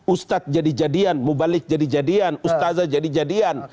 ustadz jadi jadian mubalik jadi jadian ustazah jadi jadian